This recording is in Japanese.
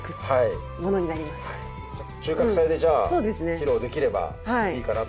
収穫祭で披露できればいいかなと。